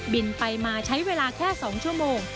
ไปมาใช้เวลาแค่๒ชั่วโมง